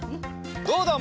どうだ？